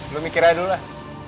lu mikir aja dulu lah